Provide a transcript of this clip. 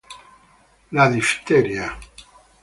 La difteria